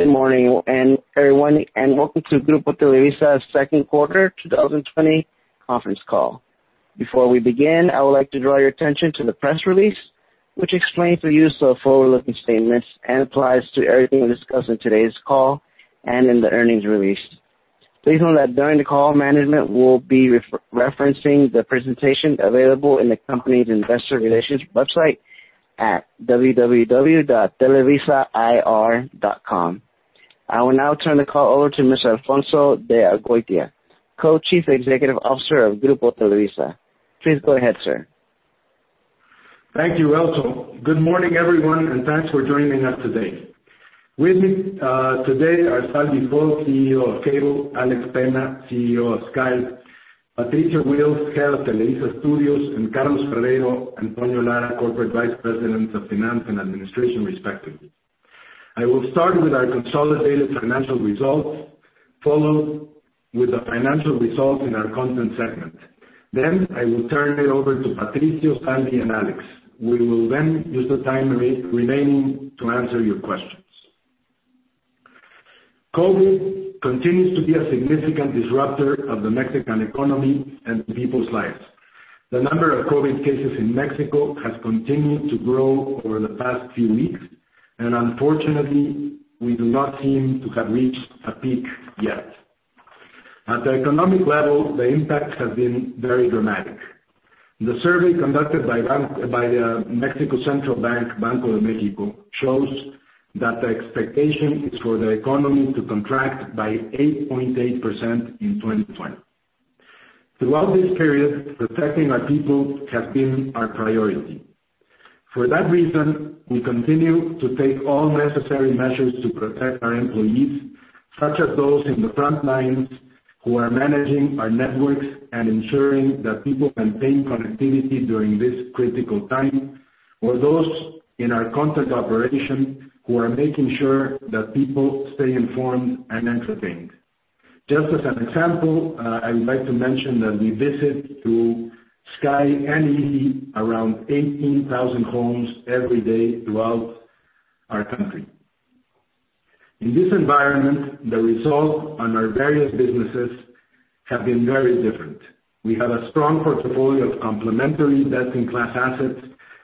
Good morning, everyone, and welcome to Grupo Televisa's second quarter 2020 conference call. Before we begin, I would like to draw your attention to the press release, which explains the use of forward-looking statements and applies to everything we discuss in today's call and in the earnings release. Please note that during the call, management will be referencing the presentation available in the company's investor relations website at www.televisair.com. I will now turn the call over to Mr. Alfonso de Angoitia, Co-Chief Executive Officer of Grupo Televisa. Please go ahead, sir. Thank you, Elton. Good morning, everyone, and thanks for joining us today. With me today are Salvi Folch, CEO of Cable; Alex Penna, CEO of Sky; Patricio Wills, Head of Televisa Studios; and Carlos Ferreiro, Antonio Lara, Corporate Vice Presidents of Finance and Administration, respectively. I will start with our consolidated financial results, followed with the financial results in our content segment. I will turn it over to Patricio, Salvi, and Alex. We will use the time remaining to answer your questions. COVID continues to be a significant disruptor of the Mexican economy and people's lives. The number of COVID cases in Mexico has continued to grow over the past few weeks, and unfortunately, we do not seem to have reached a peak yet. At the economic level, the impact has been very dramatic. The survey conducted by the Mexico Central Bank, Banco de México, shows that the expectation is for the economy to contract by 8.8% in 2020. Throughout this period, protecting our people has been our priority. For that reason, we continue to take all necessary measures to protect our employees, such as those in the front lines who are managing our networks and ensuring that people maintain connectivity during this critical time, or those in our content operation who are making sure that people stay informed and entertained. Just as an example, I would like to mention that we visit through Sky and Izzi around 18,000 homes every day throughout our country. In this environment, the results on our various businesses have been very different. We have a strong portfolio of complementary best-in-class assets,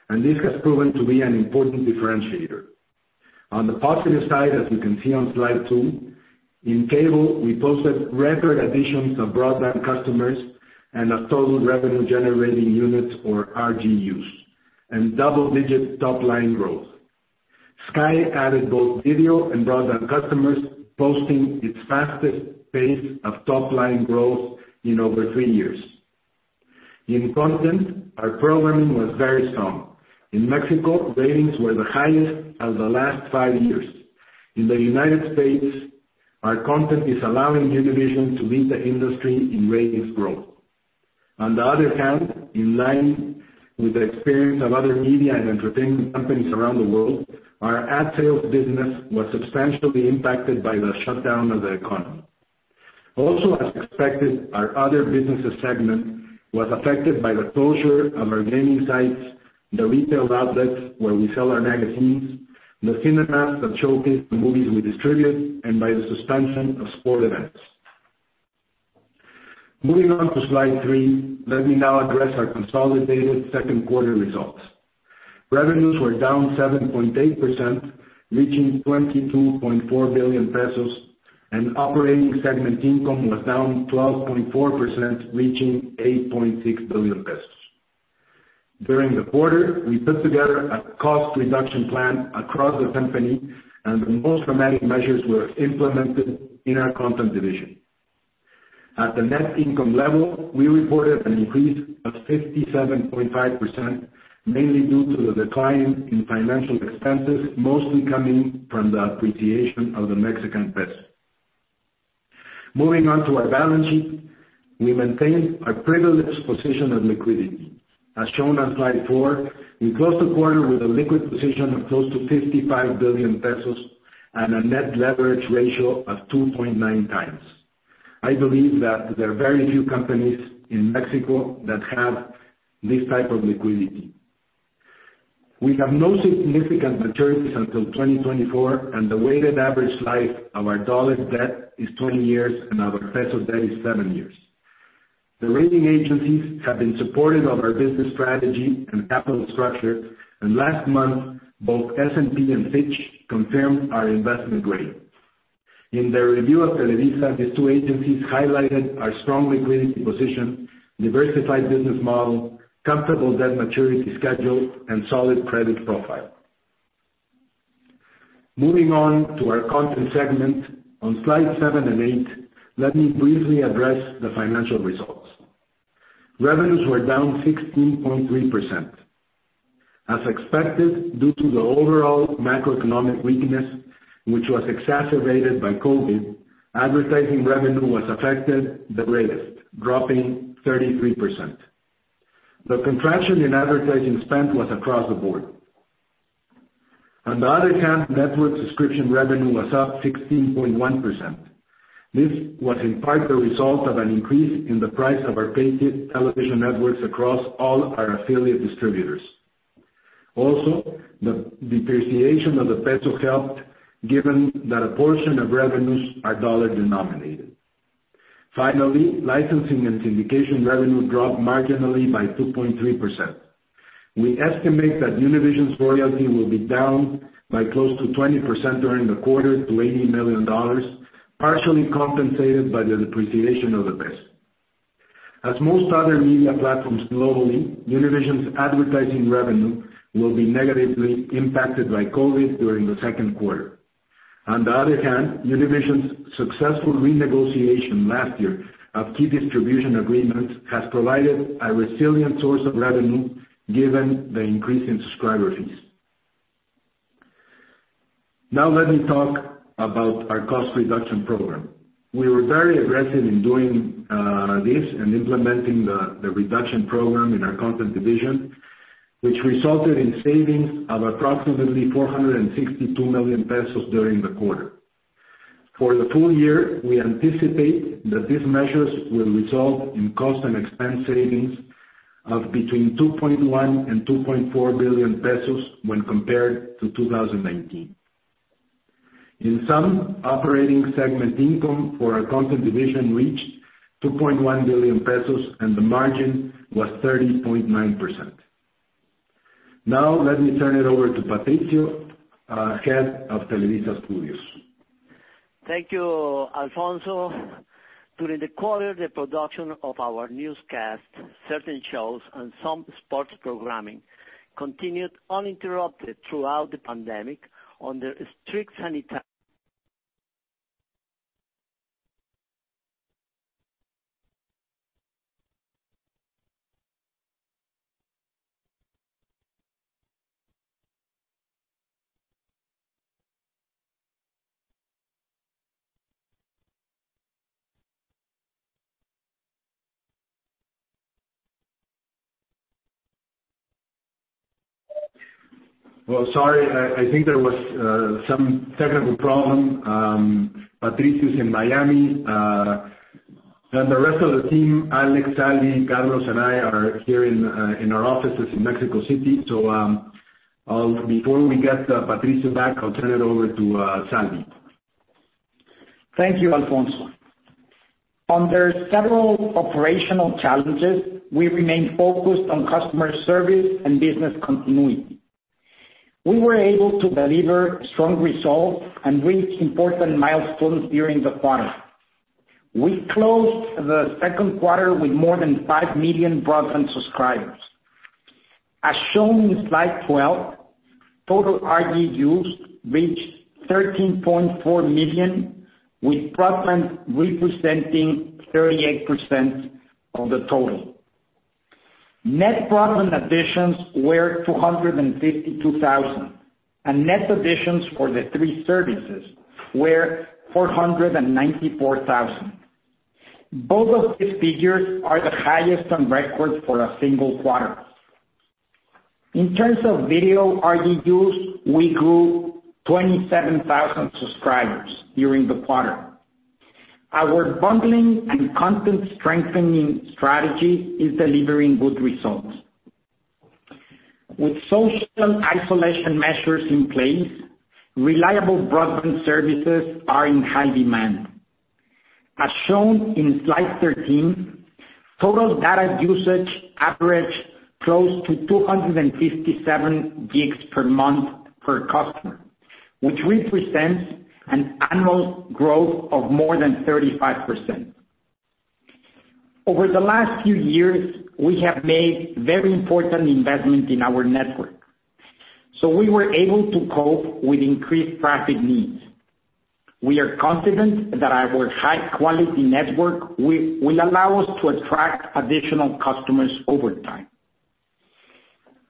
and this has proven to be an important differentiator. On the positive side, as you can see on slide two, in Cable, we posted record additions of broadband customers and of total Revenue Generating Units, or RGUs, and double-digit top-line growth. Sky added both video and broadband customers, posting its fastest pace of top-line growth in over three years. In content, our programming was very strong. In Mexico, ratings were the highest of the last five years. In the United States, our content is allowing Univision to lead the industry in ratings growth. On the other hand, in line with the experience of other media and entertainment companies around the world, our ad sales business was substantially impacted by the shutdown of the economy. As expected, our other businesses segment was affected by the closure of our gaming sites, the retail outlets where we sell our magazines, the cinemas that showcase the movies we distribute, and by the suspension of sport events. Moving on to slide three, let me now address our consolidated second quarter results. Revenues were down 7.8%, reaching 22.4 billion pesos, and operating segment income was down 12.4%, reaching 8.6 billion pesos. During the quarter, we put together a cost reduction plan across the company, and the most dramatic measures were implemented in our content division. At the net income level, we reported an increase of 57.5%, mainly due to the decline in financial expenses, mostly coming from the appreciation of the Mexican peso. Moving on to our balance sheet, we maintained a privileged position of liquidity. As shown on slide four, we closed the quarter with a liquid position of close to 55 billion pesos and a net leverage ratio of 2.9 times. I believe that there are very few companies in Mexico that have this type of liquidity. We have no significant maturities until 2024, and the weighted average life of our USD debt is 20 years and our MXN debt is seven years. The rating agencies have been supportive of our business strategy and capital structure, and last month, both S&P and Fitch confirmed our investment grade. In their review of Televisa, these two agencies highlighted our strong liquidity position, diversified business model, comfortable debt maturity schedule, and solid credit profile. Moving on to our content segment on slides seven and eight, let me briefly address the financial results. Revenues were down 16.3%. As expected, due to the overall macroeconomic weakness, which was exacerbated by COVID, advertising revenue was affected the greatest, dropping 33%. The contraction in advertising spend was across the board. On the other hand, network subscription revenue was up 16.1%. This was in part the result of an increase in the price of our paid television networks across all our affiliate distributors. Also, the depreciation of the peso helped, given that a portion of revenues are dollar-denominated. Finally, licensing and syndication revenue dropped marginally by 2.3%. We estimate that Univision's royalty will be down by close to 20% during the quarter to $80 million, partially compensated by the depreciation of the peso. As most other media platforms globally, Univision's advertising revenue will be negatively impacted by COVID during the second quarter. On the other hand, Univision's successful renegotiation last year of key distribution agreements has provided a resilient source of revenue given the increase in subscriber fees. Now let me talk about our cost reduction program. We were very aggressive in doing this and implementing the reduction program in our content division, which resulted in savings of approximately 462 million pesos during the quarter. For the full year, we anticipate that these measures will result in cost and expense savings of between 2.1 billion and 2.4 billion pesos when compared to 2019. In sum, operating segment income for our content division reached 2.1 billion pesos, and the margin was 30.9%. Now let me turn it over to Patricio, Head of Televisa Studios. Thank you, Alfonso. During the quarter, the production of our newscast, certain shows, and some sports programming continued uninterrupted throughout the pandemic under strict sanitary Well, sorry, I think there was some technical problem. Patricio is in Miami, and the rest of the team, Alex, Salvi, Carlos, and I are here in our offices in Mexico City. Before we get Patricio back, I'll turn it over to Salvi. Thank you, Alfonso. Under several operational challenges, we remain focused on customer service and business continuity. We were able to deliver strong results and reach important milestones during the quarter. We closed the second quarter with more than 5 million broadband subscribers. As shown in slide 12, total RGUs reached 13.4 million, with broadband representing 38% of the total. Net broadband additions were 252,000, and net additions for the three services were 494,000. Both of these figures are the highest on record for a single quarter. In terms of video RGUs, we grew 27,000 subscribers during the quarter. Our bundling and content strengthening strategy is delivering good results. With social isolation measures in place, reliable broadband services are in high demand. As shown in slide 13, total data usage averaged close to 257 GB per month per customer, which represents an annual growth of more than 35%. Over the last few years, we have made very important investments in our network, so we were able to cope with increased traffic needs. We are confident that our high-quality network will allow us to attract additional customers over time.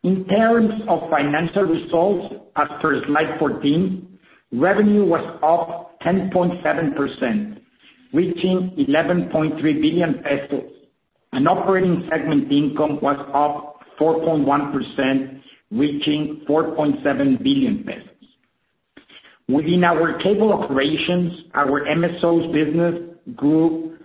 In terms of financial results, as per slide 14, revenue was up 10.7%, reaching 11.3 billion pesos, and operating segment income was up 4.1%, reaching 4.7 billion pesos. Within our cable operations, our MSOs business grew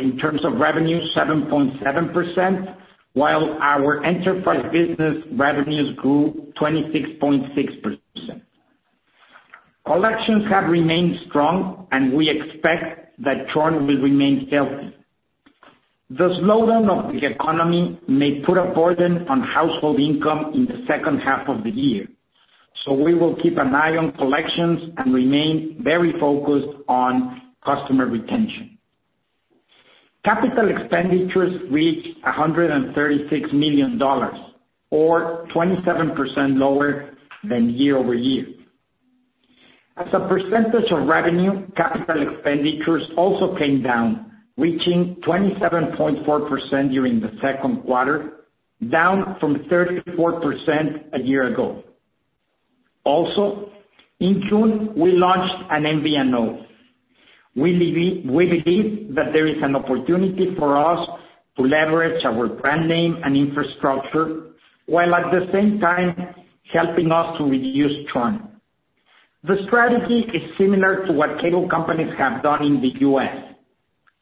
in terms of revenue 7.7%, while our enterprise business revenues grew 26.6%. Collections have remained strong, and we expect that trend will remain healthy. The slowdown of the economy may put a burden on household income in the second half of the year, so we will keep an eye on collections and remain very focused on customer retention. Capital expenditures reached $136 million, or 27% lower than year-over-year. As a percentage of revenue, capital expenditures also came down, reaching 27.4% during the second quarter, down from 34% a year ago. In June, we launched an MVNO. We believe that there is an opportunity for us to leverage our brand name and infrastructure while at the same time helping us to reduce churn. The strategy is similar to what cable companies have done in the U.S.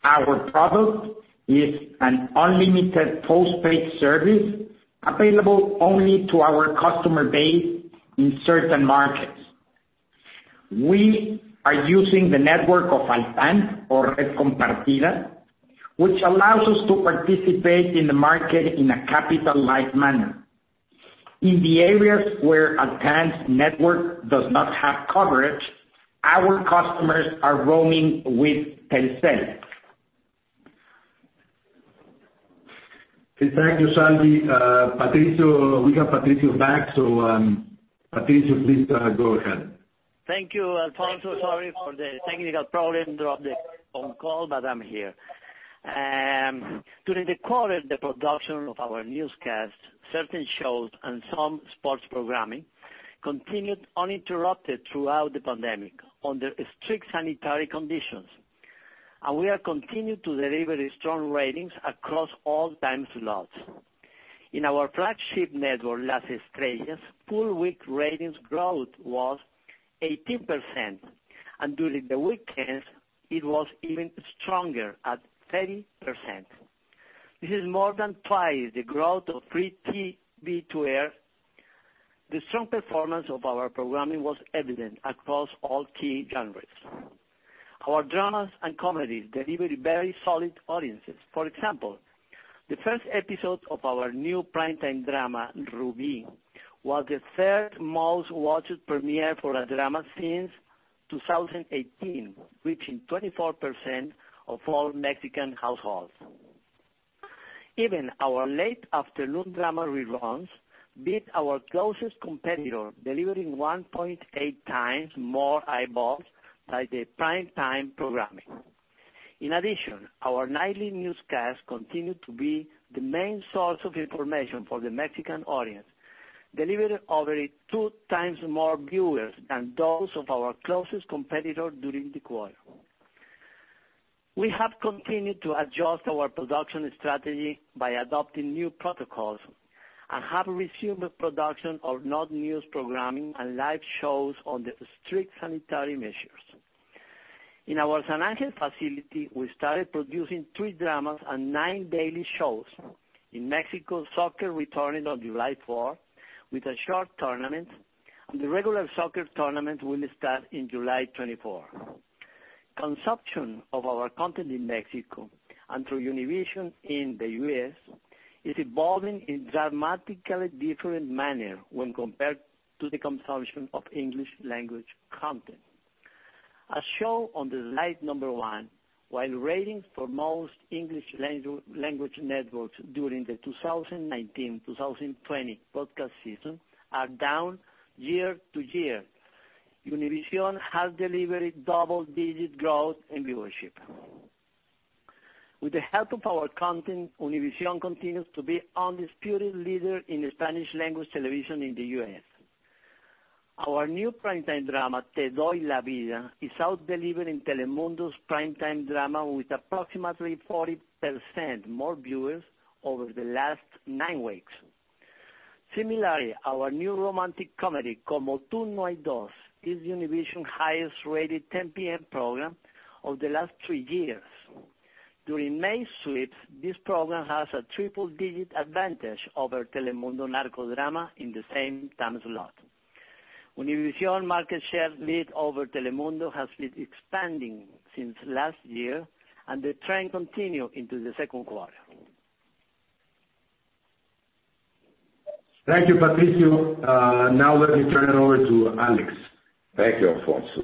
Our product is an unlimited postpaid service available only to our customer base in certain markets. We are using the network of Altán, or Red Compartida, which allows us to participate in the market in a capital-light manner. In the areas where Altán's network does not have coverage, our customers are roaming with Telcel. Okay. Thank you, Salvi. We got Patricio back, so Patricio, please go ahead. Thank you, Alfonso. Sorry for the technical problem throughout the call, but I'm here. During the quarter, the production of our newscast, certain shows, and some sports programming continued uninterrupted throughout the pandemic under strict sanitary conditions. We are continuing to deliver strong ratings across all time slots. In our flagship network, Las Estrellas, full week ratings growth was 18%, and during the weekends it was even stronger at 30%. This is more than twice the growth of free TV to air. The strong performance of our programming was evident across all key genres. Our dramas and comedies delivered very solid audiences. For example, the first episode of our new primetime drama, "Rubí," was the third most watched premiere for a drama since 2018, reaching 24% of all Mexican households. Even our late afternoon drama reruns beat our closest competitor, delivering 1.8 times more eyeballs than the primetime programming. In addition, our nightly newscast continued to be the main source of information for the Mexican audience, delivering over two times more viewers than those of our closest competitor during the quarter. We have continued to adjust our production strategy by adopting new protocols and have resumed the production of non-news programming and live shows under strict sanitary measures. In our San Ángel facility, we started producing 3 dramas and 9 daily shows. In Mexico, soccer returned on July 4 with a short tournament, and the regular soccer tournament will start on July 24. Consumption of our content in Mexico and through Univision in the U.S. is evolving in a dramatically different manner when compared to the consumption of English language content. As shown on the slide number one, while ratings for most English language networks during the 2019-2020 broadcast season are down year-to-year, Univision has delivered double-digit growth in viewership. With the help of our content, Univision continues to be undisputed leader in Spanish language television in the U.S. Our new primetime drama, "Te doy la vida," is out-delivering Telemundo's primetime drama with approximately 40% more viewers over the last nine weeks. Similarly, our new romantic comedy, "Como tú no hay dos," is Univision's highest-rated 10:00 P.M. program of the last three years. During May sweeps, this program has a triple-digit advantage over Telemundo narco-drama in the same time slot. Univision market share lead over Telemundo has been expanding since last year, and the trend continued into the second quarter. Thank you, Patricio. Now let me turn it over to Alex. Thank you, Alfonso.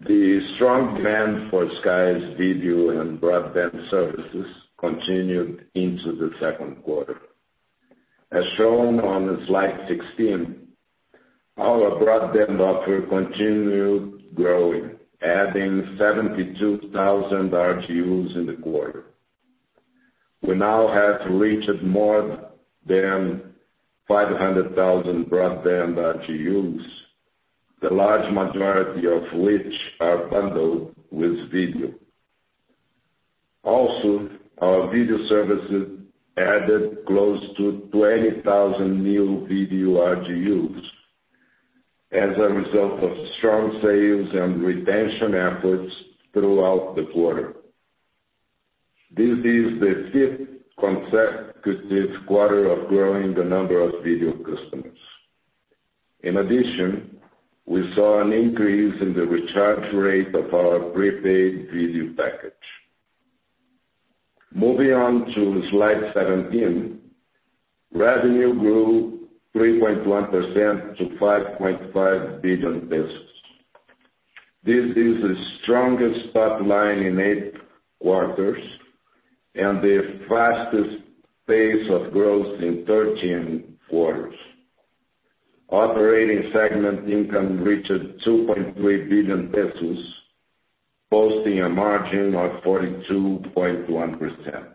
The strong demand for Sky's video and broadband services continued into the second quarter. As shown on slide 16, our broadband offer continued growing, adding 72,000 RGUs in the quarter. We now have reached more than 500,000 broadband RGUs, the large majority of which are bundled with video. Our video services added close to 20,000 new video RGUs as a result of strong sales and retention efforts throughout the quarter. This is the fifth consecutive quarter of growing the number of video customers. In addition, we saw an increase in the recharge rate of our prepaid video package. Moving on to slide 17. Revenue grew 3.1% to 5.5 billion pesos. This is the strongest top line in eight quarters and the fastest pace of growth in 13 quarters. Operating segment income reached 2.3 billion pesos, posting a margin of 42.1%.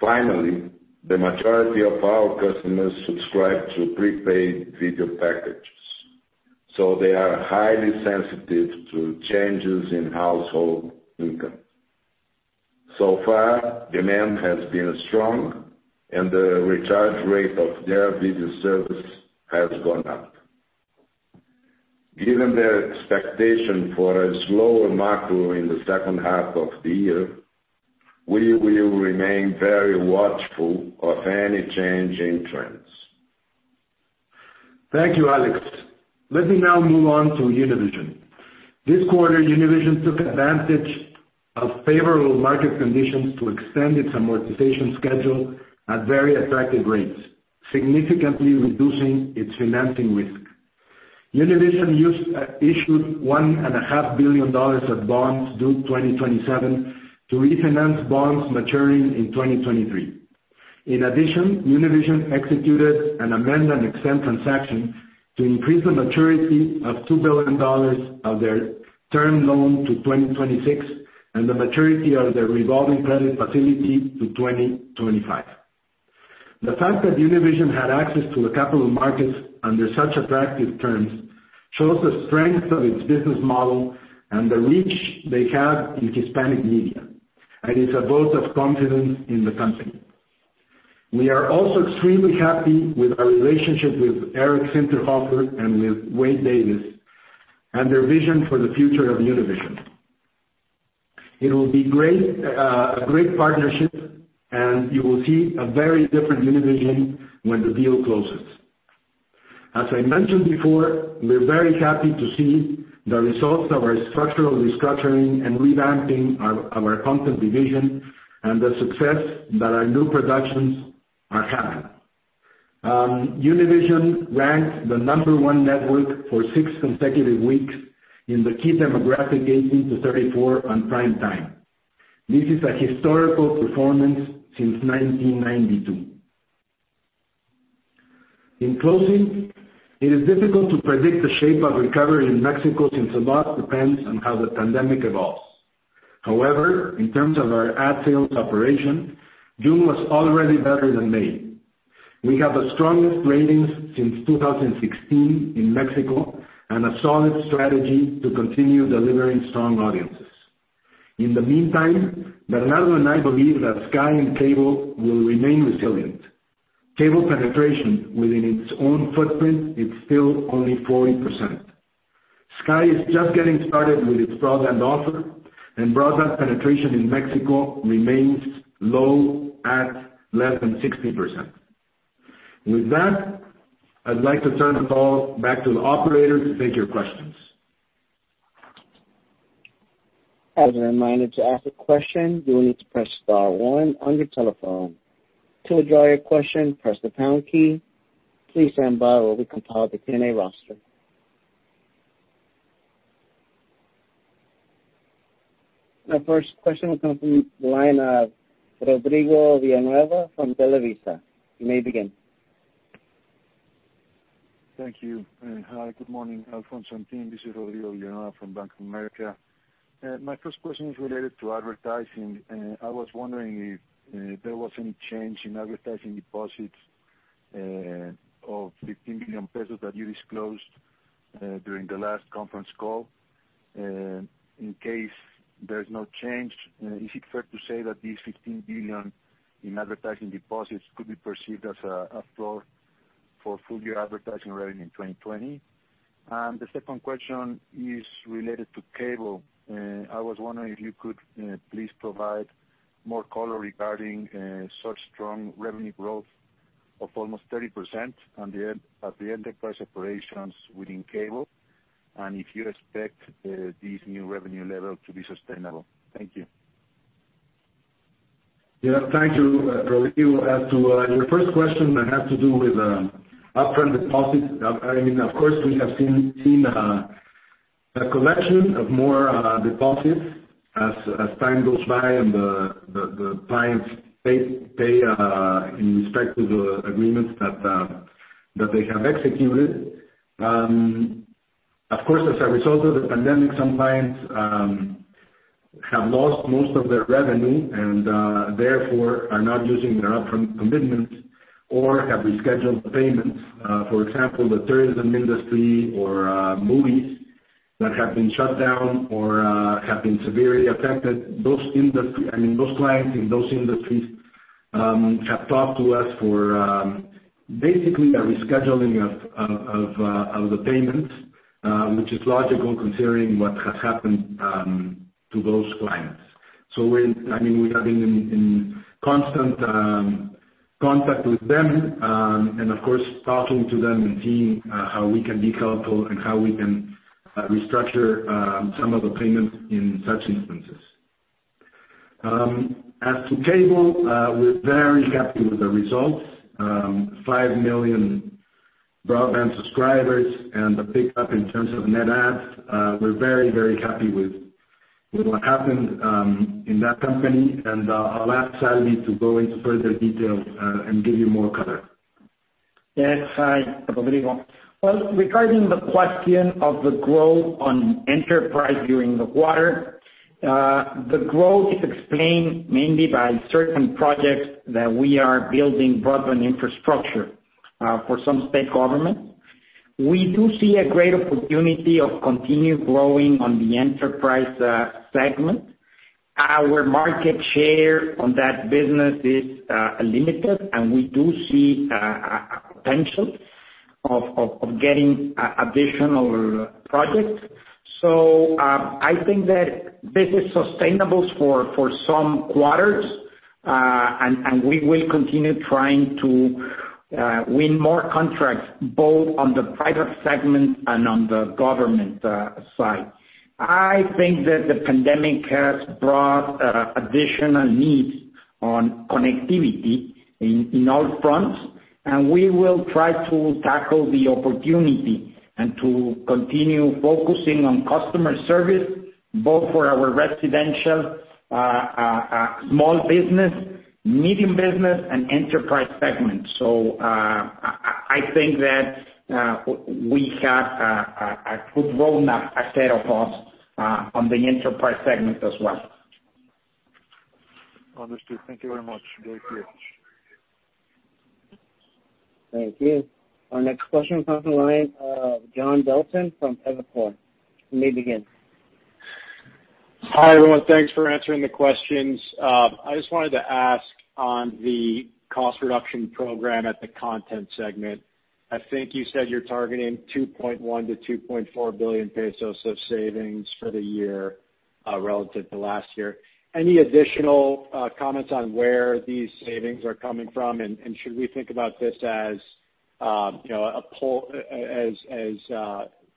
Finally, the majority of our customers subscribe to prepaid video packages, so they are highly sensitive to changes in household income. Demand has been strong and the recharge rate of their video service has gone up. Given the expectation for a slower macro in the second half of the year, we will remain very watchful of any change in trends. Thank you, Alex. Let me now move on to Univision. This quarter, Univision took advantage of favorable market conditions to extend its amortization schedule at very attractive rates, significantly reducing its financing risk. Univision issued $1.5 billion of bonds due 2027 to refinance bonds maturing in 2023. In addition, Univision executed an amend and extend transaction to increase the maturity of $2 billion of their term loan to 2026, and the maturity of their revolving credit facility to 2025. The fact that Univision had access to the capital markets under such attractive terms shows the strength of its business model and the reach they have in Hispanic media, and it's a vote of confidence in the company. We are also extremely happy with our relationship with Eric Zinterhofer and with Wade Davis and their vision for the future of Univision. It will be a great partnership and you will see a very different Univision when the deal closes. As I mentioned before, we're very happy to see the results of our structural restructuring and revamping of our content division and the success that our new productions are having. Univision ranked the number one network for six consecutive weeks in the key demographic 18 to 34 on prime time. This is a historical performance since 1992. In closing, it is difficult to predict the shape of recovery in Mexico since a lot depends on how the pandemic evolves. However, in terms of our ad sales operation, June was already better than May. We have the strongest ratings since 2016 in Mexico and a solid strategy to continue delivering strong audiences. In the meantime, Bernardo and I believe that Sky and Cable will remain resilient. Cable penetration within its own footprint is still only 40%. Sky is just getting started with its broadband offer, and broadband penetration in Mexico remains low at less than 60%. With that, I'd like to turn the call back to the operator to take your questions. As a reminder, to ask a question, you will need to press star one on your telephone. To withdraw your question, press the pound key. Please stand by while we compile the Q&A roster. Our first question will come from the line of Rodrigo Villanueva from Televisa. You may begin. Thank you. Hi, good morning, Alfonso and team. This is Rodrigo Villanueva from Bank of America. My first question is related to advertising, and I was wondering if there was any change in advertising deposits of 15 billion pesos that you disclosed during the last conference call. In case there is no change, is it fair to say that these 15 billion in advertising deposits could be perceived as a floor for full year advertising revenue in 2020? The second question is related to Cable. I was wondering if you could please provide more color regarding such strong revenue growth of almost 30% at the enterprise operations within Cable, and if you expect this new revenue level to be sustainable. Thank you. Yeah, thank you, Rodrigo. As to your first question that had to do with upfront deposits. Of course, we have seen a collection of more deposits as time goes by and the clients pay in respect to the agreements that they have executed. Of course, as a result of the pandemic, some clients have lost most of their revenue and, therefore, are not using their upfront commitments or have rescheduled payments. For example, the tourism industry or movies that have been shut down or have been severely affected. Those clients in those industries have talked to us for basically a rescheduling of the payments, which is logical considering what has happened to those clients. We have been in constant contact with them, and of course, talking to them and seeing how we can be helpful and how we can restructure some of the payments in such instances. As to cable, we're very happy with the results. Five million broadband subscribers and a big up in terms of net adds. We're very happy with what happened in that company, and I'll ask Salvi to go into further detail and give you more color. Yes. Hi, Rodrigo. Well, regarding the question of the growth on enterprise during the quarter. The growth is explained mainly by certain projects that we are building broadband infrastructure for some state government. We do see a great opportunity of continued growing on the enterprise segment. Our market share on that business is limited, and we do see a potential of getting additional projects. I think that this is sustainable for some quarters. We will continue trying to win more contracts, both on the private segment and on the government side. I think that the pandemic has brought additional needs on connectivity in all fronts. We will try to tackle the opportunity and to continue focusing on customer service, both for our residential, small business, medium business, and enterprise segments. I think that we have a good roadmap ahead of us on the enterprise segment as well. Understood. Thank you very much. Great to hear. Thank you. Our next question comes from the line of John Belton from Evercore. You may begin. Hi, everyone. Thanks for answering the questions. I just wanted to ask on the cost reduction program at the content segment, I think you said you're targeting 2.1 billion-2.4 billion pesos of savings for the year, relative to last year. Any additional comments on where these savings are coming from? Should we think about this as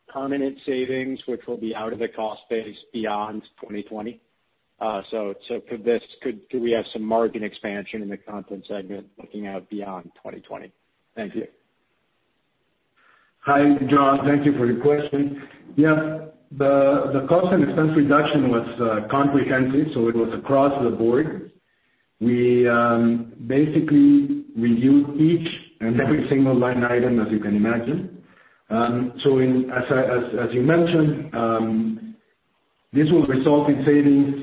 permanent savings, which will be out of the cost base beyond 2020? Could we have some margin expansion in the content segment looking out beyond 2020? Thank you. Hi, John. Thank you for your question. Yeah, the cost and expense reduction was comprehensive, so it was across the board. We basically reviewed each and every single line item, as you can imagine. As you mentioned, this will result in savings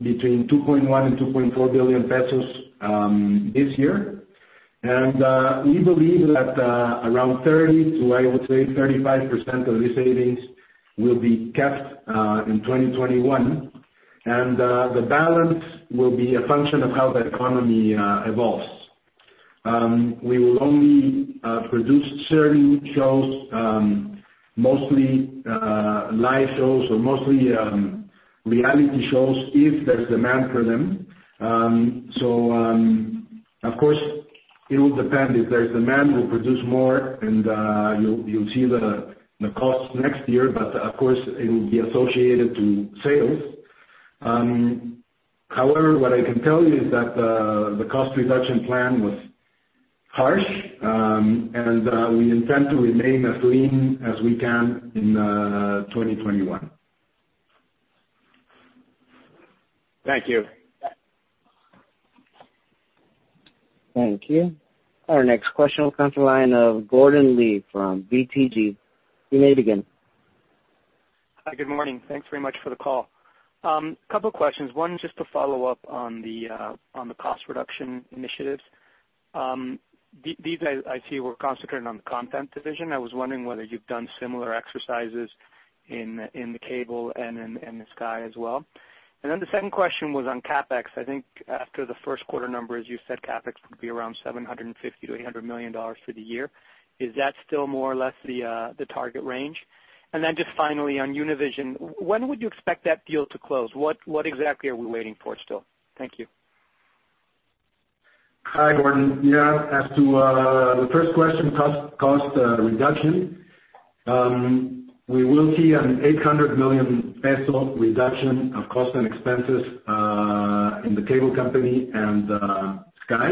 between 2.1 billion and 2.4 billion pesos this year. We believe that around 30% to, I would say 35% of these savings will be kept in 2021. The balance will be a function of how the economy evolves. We will only produce certain shows, mostly live shows or mostly reality shows if there's demand for them. Of course, it will depend. If there's demand, we'll produce more, and you'll see the cost next year, but of course, it will be associated to sales. However, what I can tell you is that the cost reduction plan was harsh. We intend to remain as lean as we can in 2021. Thank you. Thank you. Our next question comes from the line of Gordon Lee from BTG. You may begin. Hi, good morning. Thanks very much for the call. Couple of questions. One just to follow up on the cost reduction initiatives. These I see were concentrated on the content division. I was wondering whether you've done similar exercises in the cable and in the Sky as well. The second question was on CapEx. I think after the first quarter numbers, you said CapEx would be around $750 million-$800 million for the year. Is that still more or less the target range? Just finally on Univision, when would you expect that deal to close? What exactly are we waiting for still? Thank you. Hi, Gordon. Yeah. As to the first question, cost reduction. We will see an 800 million peso reduction of cost and expenses in the cable company and Sky.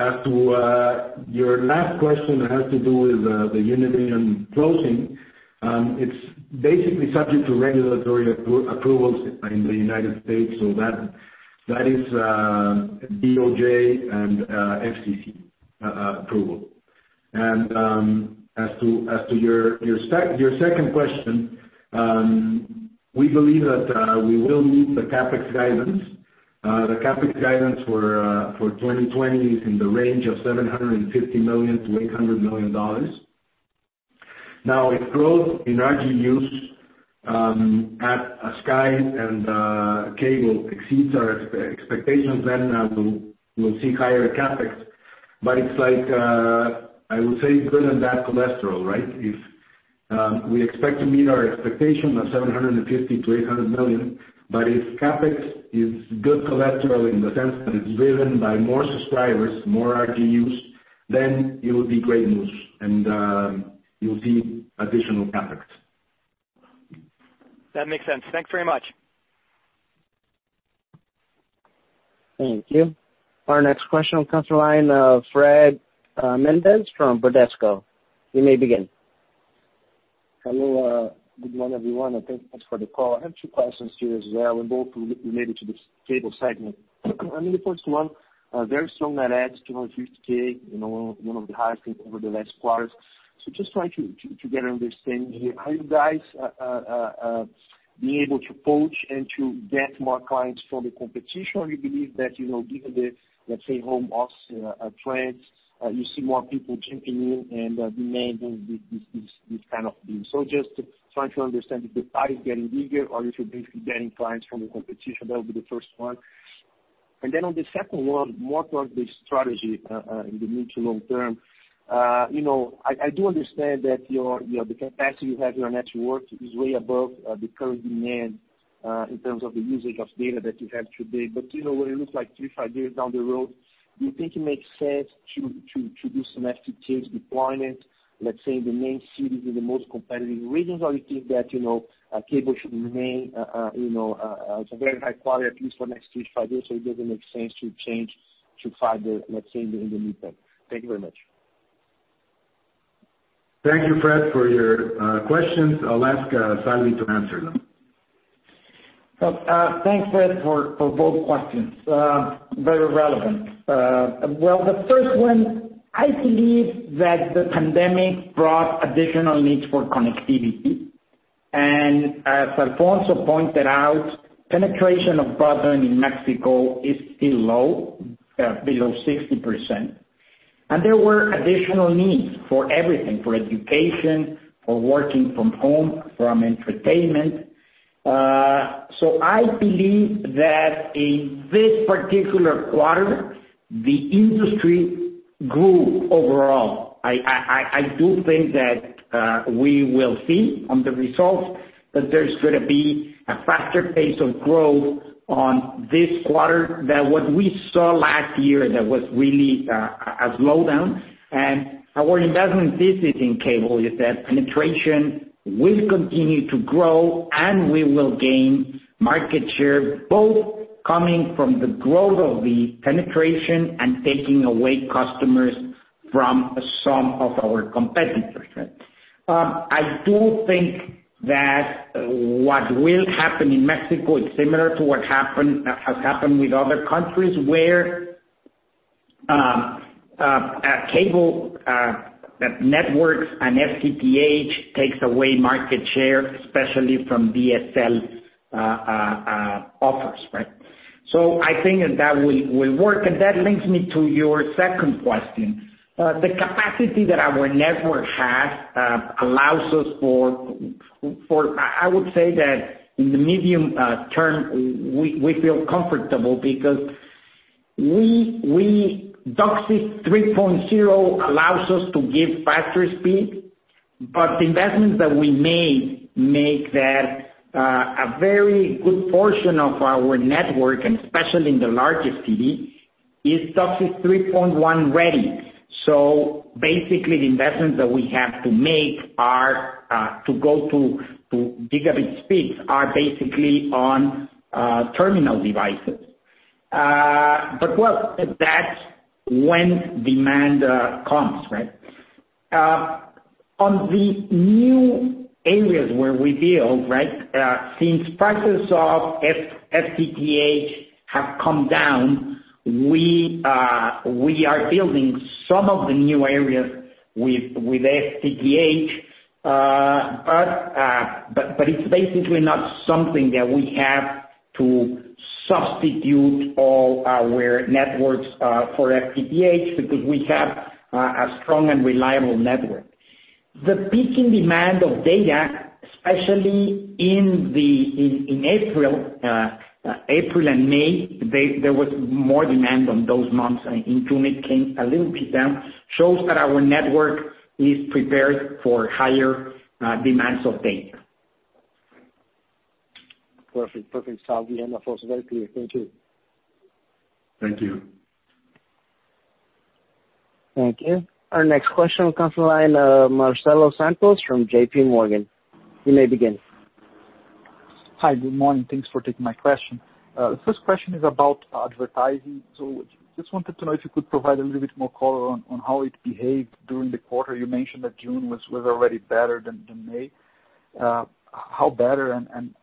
As to your last question that has to do with the Univision closing, it's basically subject to regulatory approvals in the U.S., so that is DOJ and FCC approval. As to your second question, we believe that we will meet the CapEx guidance. The CapEx guidance for 2020 is in the range of $750 million800 million. Now, if growth in RGUs at Sky and cable exceeds our expectations, then we'll see higher CapEx. It's like, I would say good and bad cholesterol, right? We expect to meet our expectation of $750 million-$800 million. If CapEx is good cholesterol in the sense that it's driven by more subscribers, more RGUs, then it would be great news. You'll see additional CapEx. That makes sense. Thanks very much. Thank you. Our next question comes from the line of Fred Mendes from Bradesco. You may begin. Hello. Good morning, everyone, and thanks for the call. I have two questions here as well, both related to the cable segment. I mean, the first one, very strong net adds, 250,000, one of the highest over the last quarters. Just trying to get an understanding here, are you guys being able to poach and to get more clients from the competition? You believe that, given the, let's say, home office trends, you see more people chipping in and demanding this kind of deal. Just trying to understand if the pie is getting bigger or if you're basically getting clients from the competition. That would be the first one. On the second one, what was the strategy, in the mid to long term? I do understand that the capacity you have, your network is way above the current demand in terms of the usage of data that you have today. When it looks like three, five years down the road, do you think it makes sense to do some FTTH deployment, let's say, in the main cities with the most competitive regions? Or you think that cable should remain as a very high quality, at least for the next three to five years, so it doesn't make sense to change to fiber, let's say, in the meantime? Thank you very much. Thank you, Fred, for your questions. I'll ask Salvi to answer them. Thanks, Fred, for both questions. Very relevant. Well, the first one, I believe that the pandemic brought additional needs for connectivity. As Alfonso pointed out, penetration of broadband in Mexico is still low, below 60%. There were additional needs for everything, for education, for working from home, from entertainment. I believe that in this particular quarter, the industry grew overall. I do think that we will see on the results that there's gonna be a faster pace of growth on this quarter than what we saw last year that was really a slowdown. Our investment thesis in Cable is that penetration will continue to grow, and we will gain market share, both coming from the growth of the penetration and taking away customers from some of our competitors. I do think that what will happen in Mexico is similar to what has happened with other countries where cable networks and FTTH takes away market share, especially from DSL offers. I think that will work, and that links me to your second question. The capacity that our network has allows us for, I would say that in the medium term, we feel comfortable because DOCSIS 3.0 allows us to give faster speed. The investments that we made make that a very good portion of our network, and especially in the largest city, is DOCSIS 3.1 ready. Basically, the investments that we have to make to go to gigabit speeds are basically on terminal devices. Well, that's when demand comes. On the new areas where we build. Since prices of FTTH have come down, we are building some of the new areas with FTTH. It's basically not something that we have to substitute all our networks for FTTH because we have a strong and reliable network. The peaking demand of data, especially in April and May, there was more demand on those months, and in June it came a little bit down, shows that our network is prepared for higher demands of data. Perfect. Sadie and Alfonso, very clear. Thank you. Thank you. Thank you. Our next question comes from the line, Marcelo Santos from JP Morgan. You may begin. Hi. Good morning. Thanks for taking my question. First question is about advertising. Just wanted to know if you could provide a little bit more color on how it behaved during the quarter. You mentioned that June was already better than May. How better, and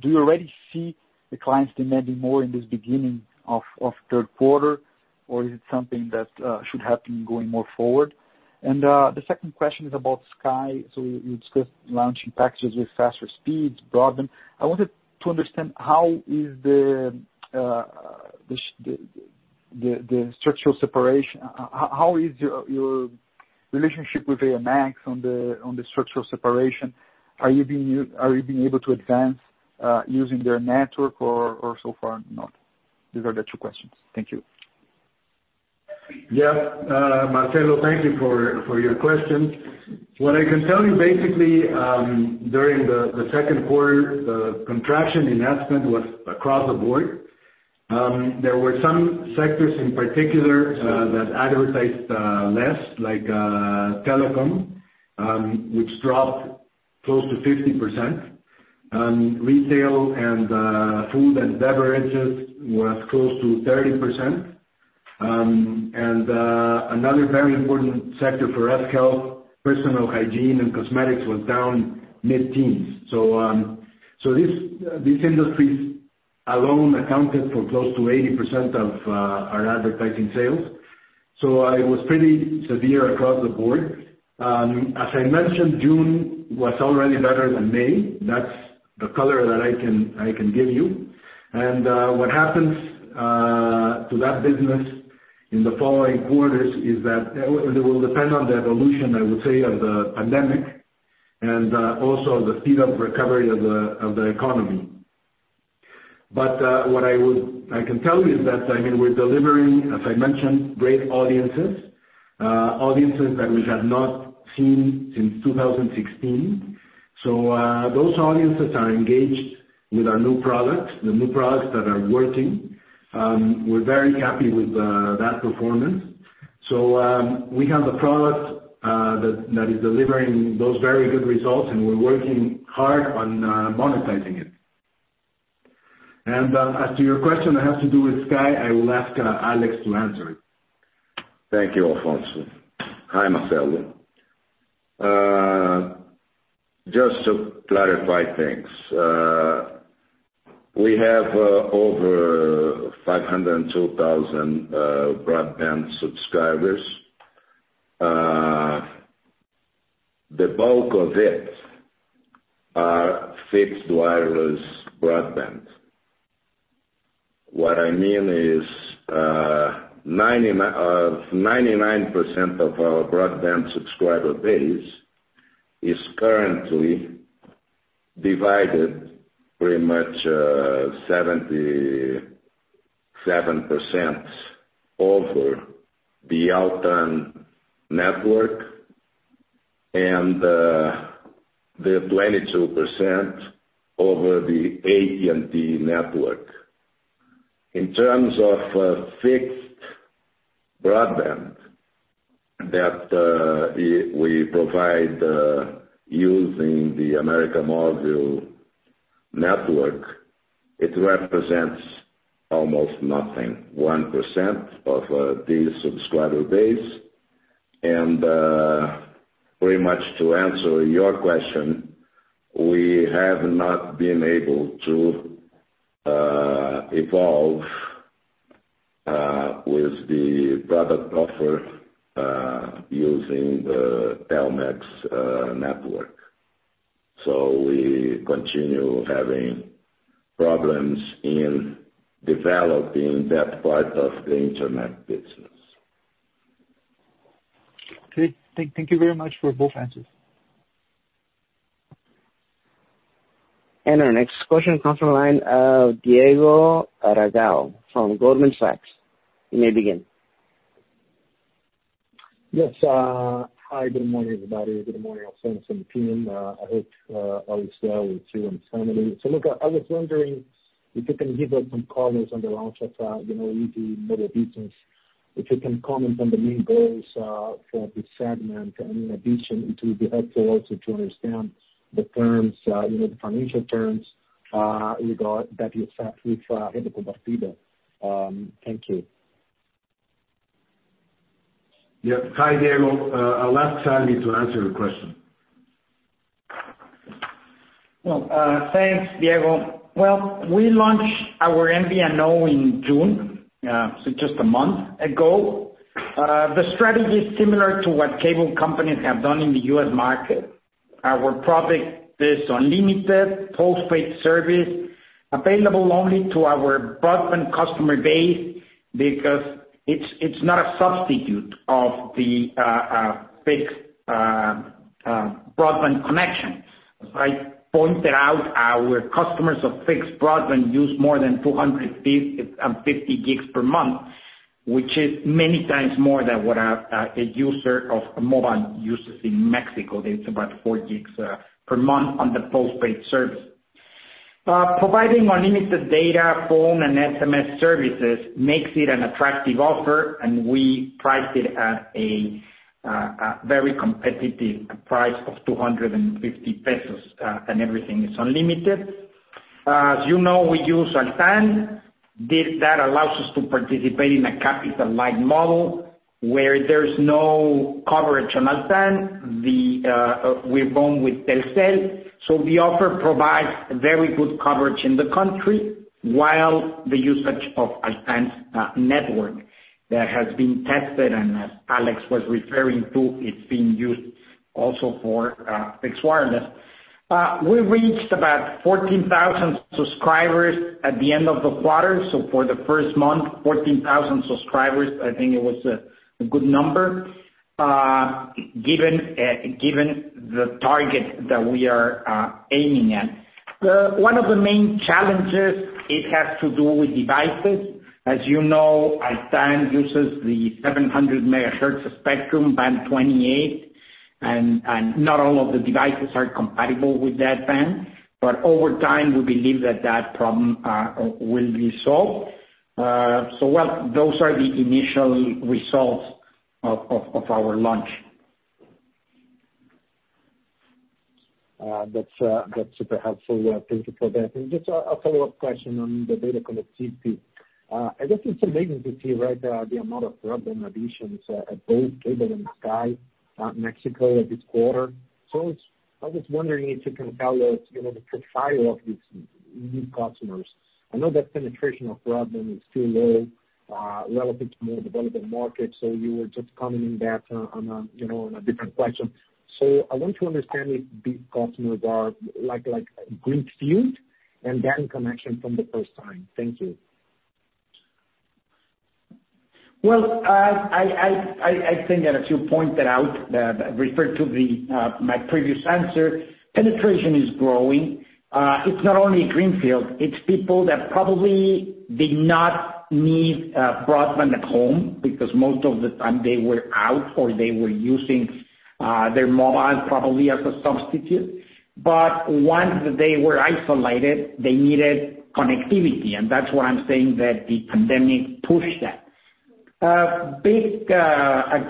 do you already see the clients demanding more in this beginning of third quarter, or is it something that should happen going more forward? The second question is about Sky. You discussed launching packages with faster speeds, broadband. I wanted to understand how is the structural separation? How is your relationship with América Móvil on the structural separation? Are you being able to advance using their network or so far not? These are the two questions. Thank you. Marcelo, thank you for your question. What I can tell you, during the second quarter, the contraction in ad spend was across the board. There were some sectors in particular that advertised less, like telecom, which dropped close to 50%, and retail and food and beverages was close to 30%. Another very important sector for us, health, personal hygiene, and cosmetics was down mid-teens. These industries alone accounted for close to 80% of our advertising sales. It was pretty severe across the board. As I mentioned, June was already better than May. That's the color that I can give you. What happens to that business in the following quarters is that it will depend on the evolution, I would say, of the pandemic and also the speed of recovery of the economy. What I can tell you is that, we're delivering, as I mentioned, great audiences. Audiences that we have not seen since 2016. Those audiences are engaged with our new products, the new products that are working. We're very happy with that performance. We have a product that is delivering those very good results, and we're working hard on monetizing it. As to your question that has to do with Sky, I will ask Alex to answer it. Thank you, Alfonso. Hi, Marcelo. Just to clarify things. We have over 502,000 broadband subscribers. The bulk of it are fixed wireless broadband. What I mean is 99% of our broadband subscriber base is currently divided pretty much 77% over the Altán network and 22% over the AT&T network. In terms of fixed broadband that we provide using the América Móvil network, it represents almost nothing, 1% of the subscriber base. Pretty much to answer your question, we have not been able to evolve with the product offer using the Telmex network. We continue having problems in developing that part of the internet business. Okay. Thank you very much for both answers. Our next question comes from the line of Diego Aragao from Goldman Sachs. You may begin. Yes. Hi, good morning, everybody. Good morning, Alfonso, Santiago. I hope all is well with you and the family. Look, I was wondering if you can give us some colors on the launch of izzi Móvil business. If you can comment on the main goals for this segment. In addition, it will be helpful also to understand the financial terms that you accept with Grupo Televisa. Thank you. Yeah. Hi, Diego. I'll ask Salvi to answer your question. Thanks, Diego. We launched our MVNO in June, just a month ago. The strategy is similar to what cable companies have done in the U.S. market. Our product is unlimited postpaid service available only to our broadband customer base because it's not a substitute of the fixed broadband connection. As I pointed out, our customers of fixed broadband use more than 250 gigs per month, which is many times more than what a user of mobile uses in Mexico. It's about four gigs per month on the postpaid service. Providing unlimited data, phone, and SMS services makes it an attractive offer, and we priced it at a very competitive price of 250 pesos, and everything is unlimited. As you know, we use Altán. That allows us to participate in a capital-light model where there's no coverage on Altán. We roam with Telcel, so the offer provides very good coverage in the country while the usage of Altán's network that has been tested, and as Alex was referring to, it's being used also for fixed wireless. We reached about 14,000 subscribers at the end of the quarter. For the first month, 14,000 subscribers, I think it was a good number given the target that we are aiming at. One of the main challenges, it has to do with devices. As you know, Altán uses the 700 MHz spectrum, Band 28, and not all of the devices are compatible with that band. But over time, we believe that problem will be solved. Well, those are the initial results of our launch. That's super helpful. Thank you for that. Just a follow-up question on the data connectivity. I guess it's amazing to see, right, the amount of broadband additions at both Cable and Sky Mexico this quarter. I was wondering if you can tell us the profile of these new customers. I know that penetration of broadband is still low relative to more developed markets. You were just commenting that on a different question. I want to understand if these customers are greenfield and then connection from the first time. Thank you. Well, I think that as you pointed out, refer to my previous answer, penetration is growing. It's not only greenfield. It's people that probably did not need broadband at home because most of the time they were out, or they were using their mobile probably as a substitute. Once they were isolated, they needed connectivity, and that's why I'm saying that the pandemic pushed that. A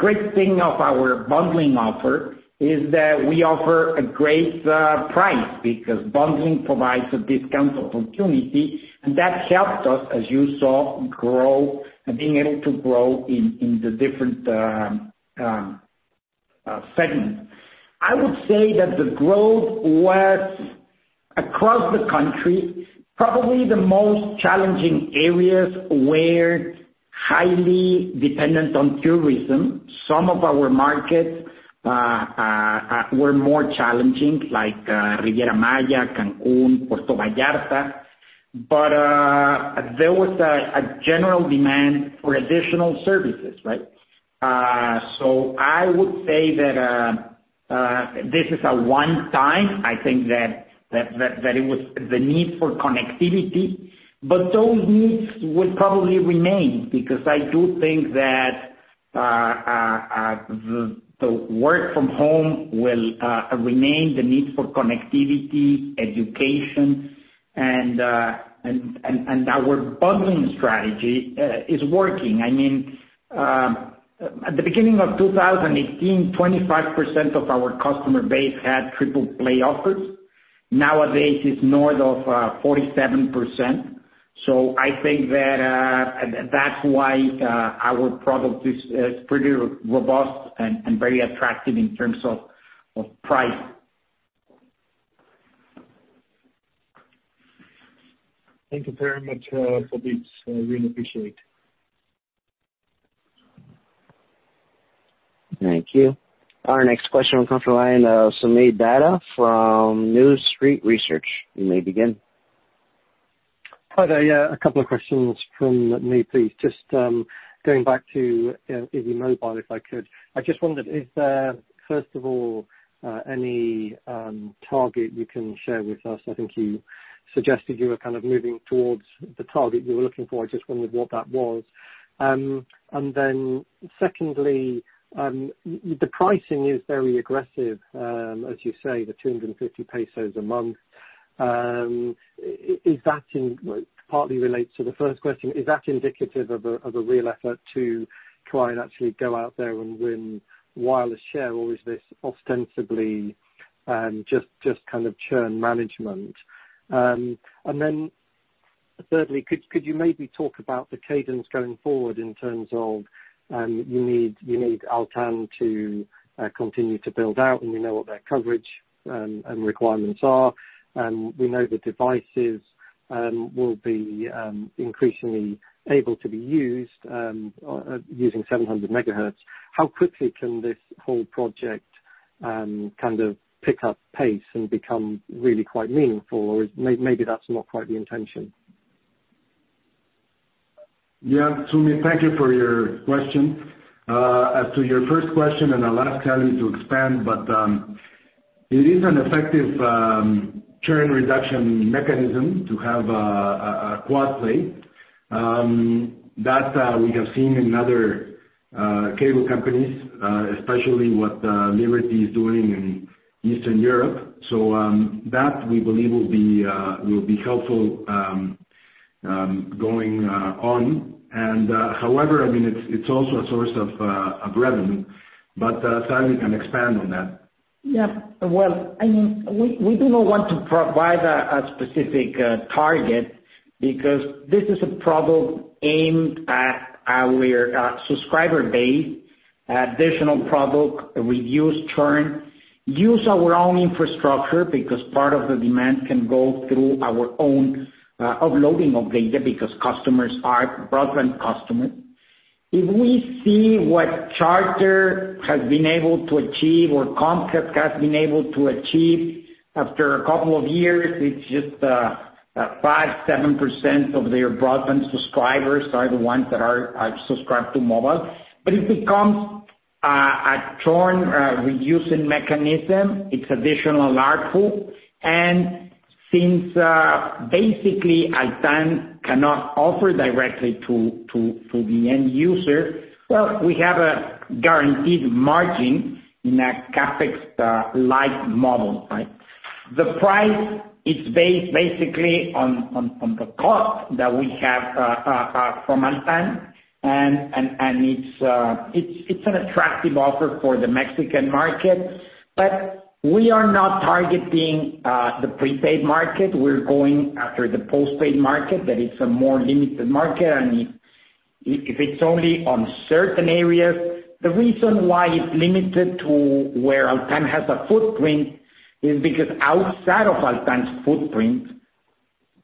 great thing of our bundling offer is that we offer a great price because bundling provides a discount opportunity, and that helped us, as you saw, grow and being able to grow in the different segments. I would say that the growth was across the country. Probably the most challenging areas were highly dependent on tourism. Some of our markets were more challenging, like Riviera Maya, Cancun, Puerto Vallarta. There was a general demand for additional services, right? I would say that this is a one time. I think that it was the need for connectivity. Those needs would probably remain because I do think that the work from home will remain the need for connectivity, education, and our bundling strategy is working. At the beginning of 2018, 25% of our customer base had triple play offers. Nowadays, it's north of 47%. I think that's why our product is pretty robust and very attractive in terms of price. Thank you very much, Fabio. I really appreciate it. Thank you. Our next question will come from the line of Sumedh Data from New Street Research. You may begin. Hi there. A couple of questions from me, please. Just going back to izzi Móvil, if I could. I just wondered, is there, first of all, any target you can share with us? I think you suggested you were kind of moving towards the target you were looking for. I just wondered what that was. Secondly, the pricing is very aggressive, as you say, the 250 pesos a month. It partly relates to the first question. Is that indicative of a real effort to try and actually go out there and win wireless share? Or is this ostensibly just kind of churn management? Thirdly, could you maybe talk about the cadence going forward in terms of you need Altán to continue to build out, and we know what their coverage and requirements are. We know the devices will be increasingly able to be used using 700 MHz. How quickly can this whole project kind of pick up pace and become really quite meaningful? Maybe that's not quite the intention. Yeah, Sumedh, thank you for your question. As to your first question, and I'll ask Salvi to expand, but it is an effective churn reduction mechanism to have a quad play. That we have seen in other cable companies, especially what Liberty is doing in Eastern Europe. That we believe will be helpful going on. However, it's also a source of revenue, but Salvi can expand on that. Yeah. We do not want to provide a specific target because this is a product aimed at our subscriber base, additional product, reduce churn, use our own infrastructure because part of the demand can go through our own uploading of data because customers are broadband customers. If we see what Charter has been able to achieve or Comcast has been able to achieve after a couple of years, it's just 5%-7% of their broadband subscribers are the ones that are subscribed to mobile. It becomes a churn-reducing mechanism. It's additional ARPU. Since basically, Altán cannot offer directly to the end user, well, we have a guaranteed margin in a CapEx-light model, right? The price is based basically on the cost that we have from Altán. It's an attractive offer for the Mexican market, but we are not targeting the prepaid market. We're going after the postpaid market. That is a more limited market, and if it's only on certain areas. The reason why it's limited to where Altán has a footprint is because outside of Altán's footprint,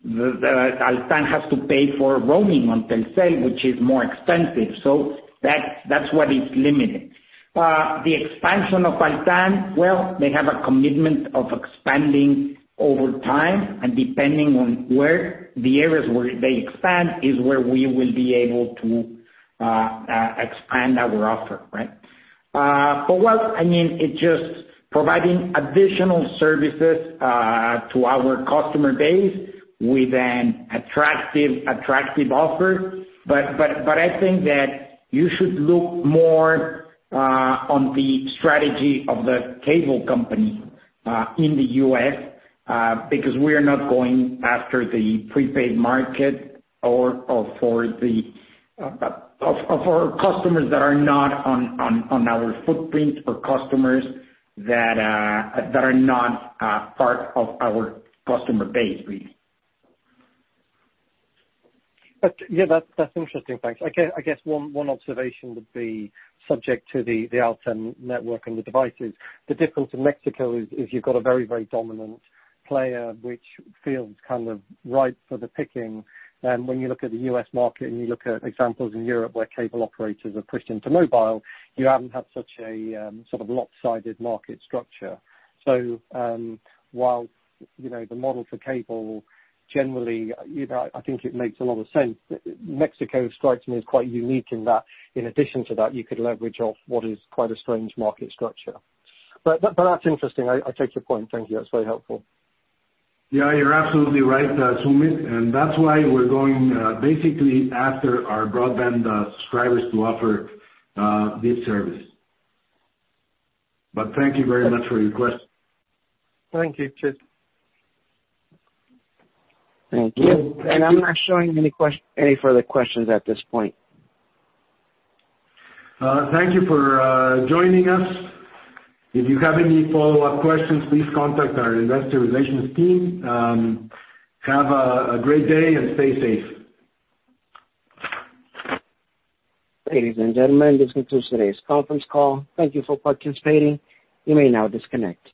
Altán has to pay for roaming on Telcel, which is more expensive. That's why it's limited. The expansion of Altán, well, they have a commitment of expanding over time, and depending on where the areas where they expand is where we will be able to expand our offer. Well, it's just providing additional services to our customer base with an attractive offer. I think that you should look more on the strategy of the cable company in the U.S. because we are not going after the prepaid market or for customers that are not on our footprint or customers that are not part of our customer base, really. Yeah, that's interesting. Thanks. I guess one observation would be subject to the Altán network and the devices. The difference in Mexico is you've got a very, very dominant player which feels kind of ripe for the picking. When you look at the U.S. market and you look at examples in Europe where cable operators have pushed into mobile, you haven't had such a sort of lopsided market structure. While the model for cable generally, I think it makes a lot of sense. Mexico strikes me as quite unique in that, in addition to that, you could leverage off what is quite a strange market structure. That's interesting. I take your point. Thank you. That's very helpful. Yeah, you're absolutely right, Sumedh, that's why we're going basically after our broadband subscribers to offer this service. Thank you very much for your question. Thank you. Cheers. Thank you. I'm not showing any further questions at this point. Thank you for joining us. If you have any follow-up questions, please contact our investor relations team. Have a great day and stay safe. Ladies and gentlemen, this concludes today's conference call. Thank you for participating. You may now disconnect.